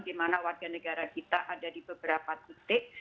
dimana warga negara kita ada di beberapa titik